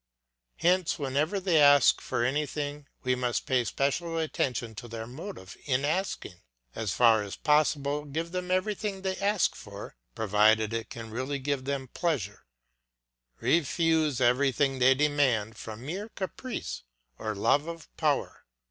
Hence, whenever they ask for anything we must pay special attention to their motive in asking. As far as possible give them everything they ask for, provided it can really give them pleasure; refuse everything they demand from mere caprice or love of power.